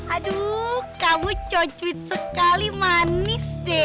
aduh kamu cocok sekali manis deh